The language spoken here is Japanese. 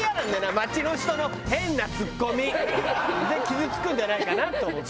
街の人の変なツッコミで傷つくんじゃないかなと思ってさ。